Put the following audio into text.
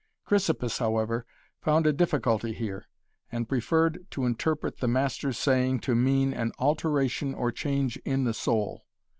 Chrysippus, however, found a difficulty here, and preferred to interpret the Master's saying to mean an alteration or change in the soul.